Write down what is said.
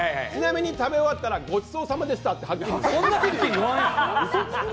ちなみに食べ終わったらごちそうさまでしたってはっきり言うんです。